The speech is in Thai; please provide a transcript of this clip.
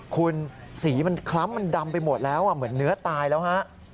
คุณสีมันคล้ำมันดำไปหมดแล้วเหมือนเนื้อตายแล้วฮะ